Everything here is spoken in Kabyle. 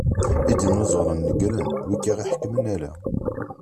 Idinuzuren negren wigi i aɣ-iḥekmen ala.